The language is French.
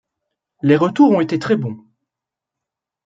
Les retours ont été très bons.